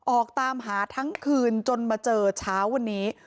ออกตามหาทั้งคืนจนมาเจอเช้าวันนี้